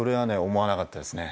思わなかったですね。